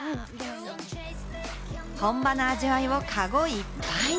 本場の味わいをカゴいっぱいに